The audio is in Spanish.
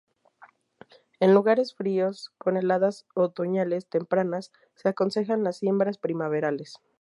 En lugares fríos, con heladas otoñales tempranas, se aconsejan las siembras primaverales.